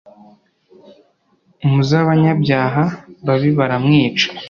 maz’abanyabyaha - babi baramwica